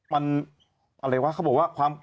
มันอะไรวะเขาบอกว่า